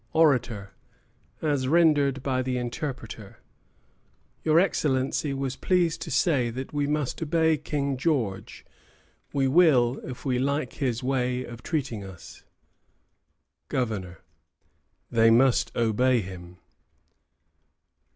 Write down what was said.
ORATOR (as rendered by the interpreter). Your Excellency was pleased to say that we must obey King George. We will if we like his way of treating us. GOVERNOR. They must obey him.